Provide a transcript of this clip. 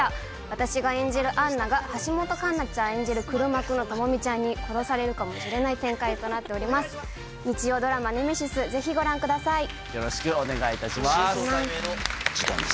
私が演じるアンナが、橋本環奈ちゃん演じる黒幕の朋美ちゃんに殺されるかもしれない展開となっております。